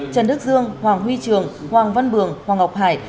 trần đức dương hoàng huy trường hoàng văn bường hoàng ngọc hải